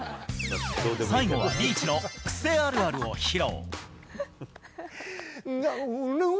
最後はリーチの癖あるあるを披露。